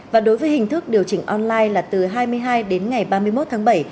và đối với hình thức điều chỉnh online là từ hai mươi hai đến ngày ba mươi một tháng bảy